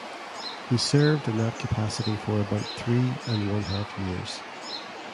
He served in that capacity for about three and one half years.